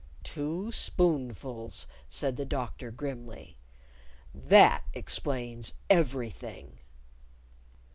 "Two spoonfuls!" said the Doctor, grimly. "That explains everything!"